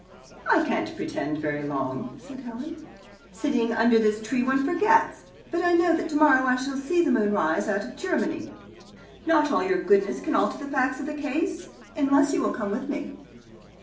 "I can't pretend very long," said Helen. "Sitting under this tree one forgets, but I know that tomorrow I shall see the moon rise out of Germany. Not all your goodness can alter the facts of the case. Unless you will come with me."